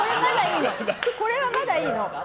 これはまだいいの。